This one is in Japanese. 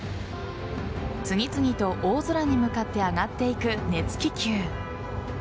次々と、大空に向かって上がっていく熱気球。